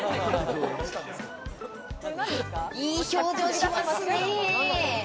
いい表情しますね。